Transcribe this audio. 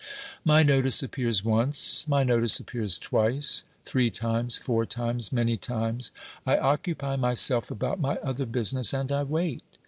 My notice appears once, my notice appears twice, three times, four times, many times. I occupy myself about my other business, and I wait.